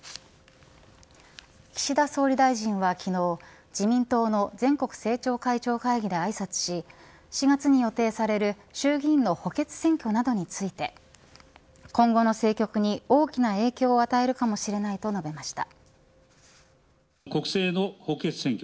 岸田総理大臣は昨日自民党の全国政調会長会議であいさつし４月に予定される衆議院の補欠選挙などについて今後の政局に大きな影響を与えるかもしれないと述べました。